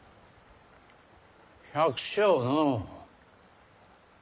百姓のう。